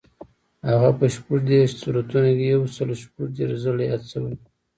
هغه په شپږ دېرش سورتونو کې یو سل شپږ دېرش ځلي یاد شوی.